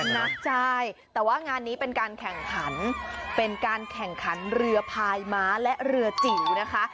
นักใจแต่ว่างานนี้เป็นการแข่งขันเรือพายม้าและเรือจิ๋วนะคะ